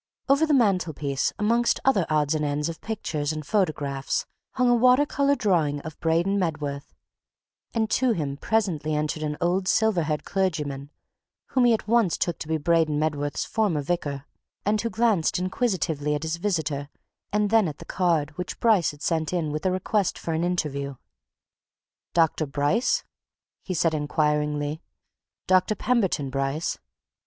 Over the mantelpiece, amongst other odds and ends of pictures and photographs, hung a water colour drawing of Braden Medworth and to him presently entered an old, silver haired clergyman whom he at once took to be Braden Medworth's former vicar, and who glanced inquisitively at his visitor and then at the card which Bryce had sent in with a request for an interview. "Dr. Bryce?" he said inquiringly. "Dr. Pemberton Bryce?"